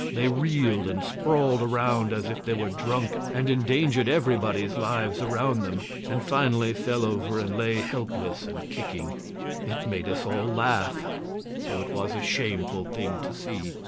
They reeled and sprawled around as if they were drunk, and endangered everybody's lives around them, and finally fell over and lay helpless and kicking. It made us all laugh, though it was a shameful thing to see.